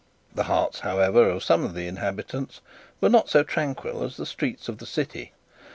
The hearts, however, of some of the inhabitants were not so tranquil as the streets of the city.